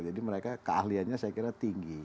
jadi mereka keahliannya saya kira tinggi